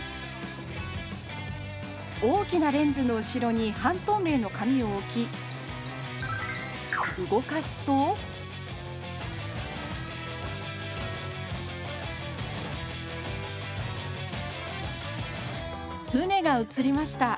大きなレンズの後ろに半透明の紙を置き動かすと船が映りました。